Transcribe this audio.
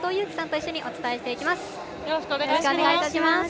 よろしくお願いします。